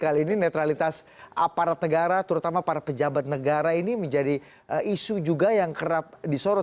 kali ini netralitas aparat negara terutama para pejabat negara ini menjadi isu juga yang kerap disorot